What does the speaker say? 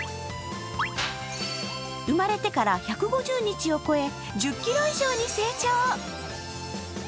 生まれてから１５０日を超え、１０ｋｇ以上に成長。